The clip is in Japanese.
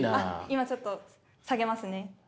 今ちょっと下げますね。